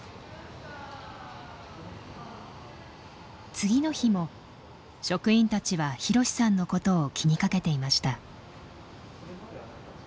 次の日も職員たちはひろしさんのことを気にかけていました。